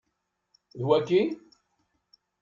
D waki?